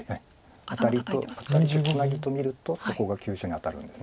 アタリとアタリでツナギと見るとそこが急所にあたるんです。